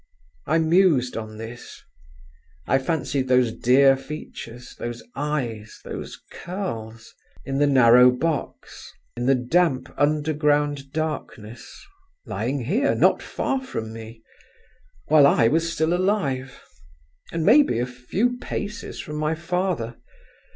I mused on this; I fancied those dear features, those eyes, those curls—in the narrow box, in the damp underground darkness—lying here, not far from me—while I was still alive, and, maybe, a few paces from my father….